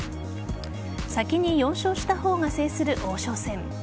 先に４勝した方が制する王将戦。